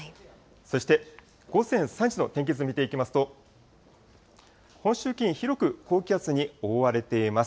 そして、午前３時の天気図を見ていきますと、本州付近、広く高気圧に覆われています。